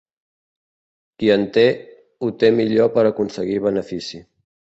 Qui en té, ho té millor per aconseguir benefici.